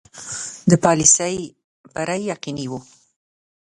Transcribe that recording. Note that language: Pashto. د پالیسي بری یقیني وو.